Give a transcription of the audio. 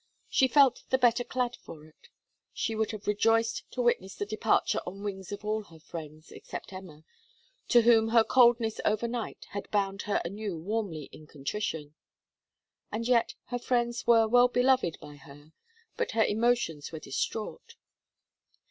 She felt the better clad for it. She would have rejoiced to witness the departure on wings of all her friends, except Emma, to whom her coldness overnight had bound her anew warmly in contrition. And yet her friends were well beloved by her; but her emotions were distraught.